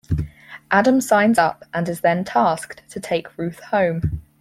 Adam signs up and is then tasked to take Ruth home.